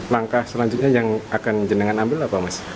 langkah selanjutnya yang akan jenangan ambil apa mas